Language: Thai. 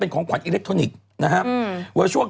คุณหมอโดนกระช่าคุณหมอโดนกระช่า